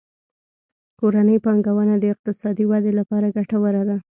کورنۍ پانګونه د اقتصادي ودې لپاره ګټوره ده.